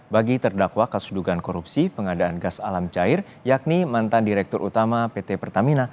bagi terdakwa kasus dugaan korupsi pengadaan gas alam cair yakni mantan direktur utama pt pertamina